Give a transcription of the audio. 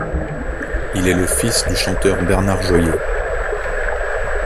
Il est le fils du chanteur Bernard Joyet.